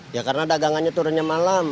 ya karena dagangannya turunnya malam